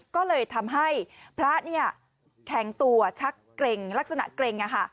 ก็เลยทำให้พระแข็งตัวชักเกร็งลักษณะเกร็ง